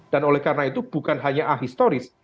dan oleh karena itu bukan hanya ahistoris